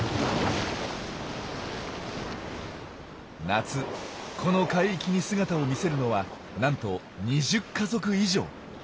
夏この海域に姿を見せるのはなんと２０家族以上！